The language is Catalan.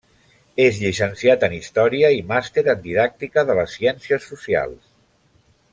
És llicenciat en Història i Màster en Didàctica de les Ciències Socials.